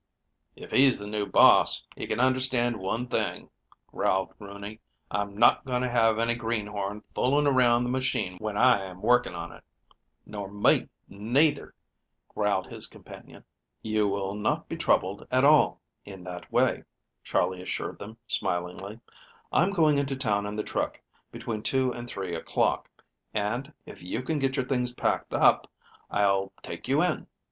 "If he's the new boss, he can just understand one thing," growled Rooney, "I'm not going to have any greenhorn fooling around the machine when I am working on it." "Nor me, neither," growled his companion. "You will not be troubled at all in that way," Charley assured them smilingly. "I'm going into town in the truck between two and three o'clock, and, if you can get your things packed up, I'll take you in.